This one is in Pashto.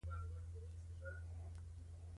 دوى کور ته هره ورځ ځي.